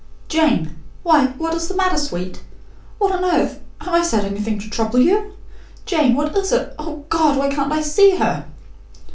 "Jane! Why, what is the matter; Sweet? What on earth ? Have I said anything to trouble you? Jane, what is it? O God, why can't I see her!"